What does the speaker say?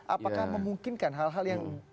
apakah memungkinkan hal hal yang